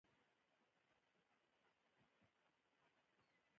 وچ بوټي او هغه ځمکې چې بڼې یې بدلون موندلی وي.